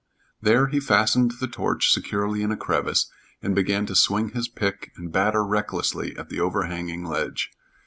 There he fastened the torch securely in a crevice, and began to swing his pick and batter recklessly at the overhanging ledge.